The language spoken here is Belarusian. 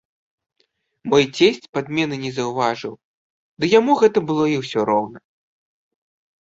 Мой цесць падмены не заўважыў, ды яму гэта было і ўсё роўна.